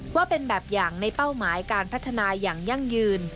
ว่าเป็นแบบอย่างในเป้าหมายการพัฒนาอย่างยั่งยืน